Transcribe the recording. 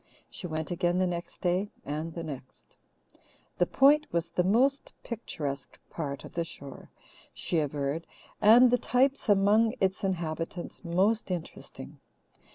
She went again the next day and the next. The Point was the most picturesque part of the shore, she averred, and the "types" among its inhabitants most interesting.